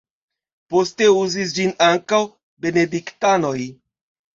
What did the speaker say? Poste uzis ĝin ankaŭ benediktanoj.